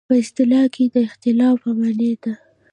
په اصطلاح کې د اختلاف په معنی ده.